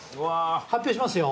発表しますよ。